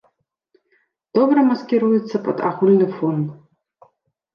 Добра маскіруюцца пад агульны фон.